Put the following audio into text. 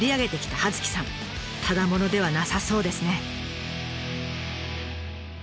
ただ者ではなさそうですね。